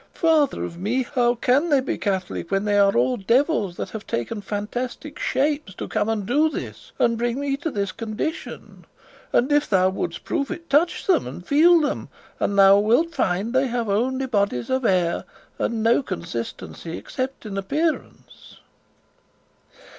"Father of me! how can they be Catholic when they are all devils that have taken fantastic shapes to come and do this, and bring me to this condition? And if thou wouldst prove it, touch them, and feel them, and thou wilt find they have only bodies of air, and no consistency except in appearance."